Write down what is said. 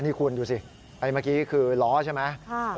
นี่คุณดูสิเมื่อกี้คือล้อใช่ไหม